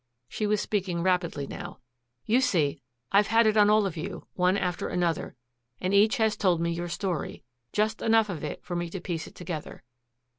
She was speaking rapidly now. "You see, I've had it on all of you, one after another, and each has told me your story, just enough of it for me to piece it together.